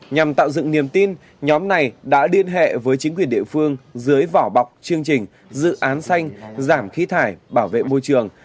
nhằm tạo dựng niềm tin nhóm này đã liên hệ với chính quyền địa phương dưới vỏ bọc chương trình dự án xanh giảm khí thải bảo vệ môi trường